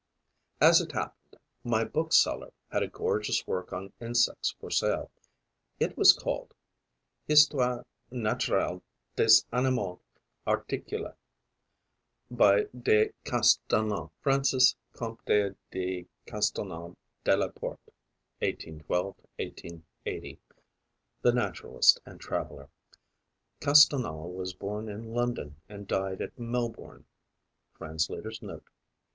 As it happened, my bookseller had a gorgeous work on insects for sale. It was called "Histoire naturelle des animaux articules", by de Castelnau (Francis Comte de Castelnau de la Porte (1812 1880), the naturalist and traveller. Castelnau was born in London and died at Melbourne. Translator's Note.)